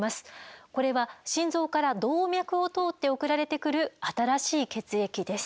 これは心臓から動脈を通って送られてくる新しい血液です。